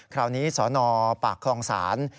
คราวนี้สนปากคลองศาล